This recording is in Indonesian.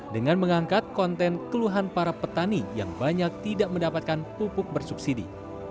dengan mengangkat konten keluhan para petani yang banyak tidak mendapatkan pupuk bersubsidi